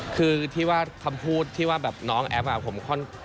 คือที่ว่าคำพูดที่ว่าแบบน้องแอฟผมค่อนข้าง